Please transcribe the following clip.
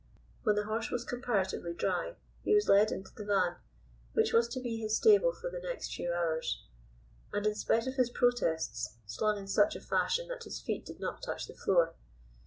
When the horse was comparatively dry he was led into the van which was to be his stable for the next few hours, and, in spite of his protests, slung in such a fashion that his feet did not touch the floor.